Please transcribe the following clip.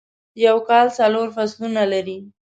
یو کال څلور فصلونه لری